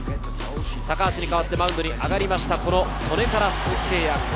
高橋に代わってマウンドに上がりました戸根から鈴木誠也。